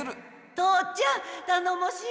父ちゃんたのもしい。